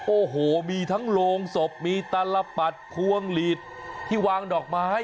โอ้โหมีทั้งโรงศพมีตลปัดพวงหลีดที่วางดอกไม้